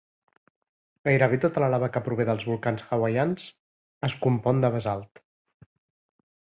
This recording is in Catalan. Gairebé tota la lava que prové dels volcans hawaians es compon de basalt.